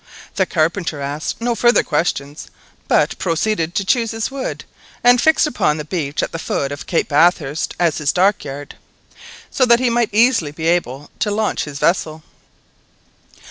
The carpenter asked no further questions, but proceeded to choose his wood, and fixed upon the beach at the foot of Cape Bathurst as his dockyard, so that he might easily be able to launch his vessel.